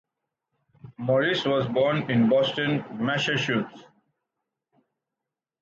Morris was born in Boston, Massachusetts.